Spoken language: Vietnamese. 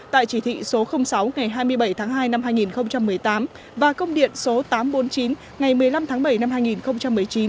tại chỉ thị số sáu ngày hai mươi bảy tháng hai năm hai nghìn một mươi tám và công điện số tám trăm bốn mươi chín ngày một mươi năm tháng bảy năm hai nghìn một mươi chín